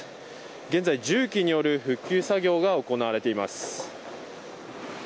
現在、重機による復旧作業が行われています。